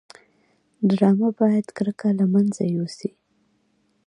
ډرامه باید کرکه له منځه یوسي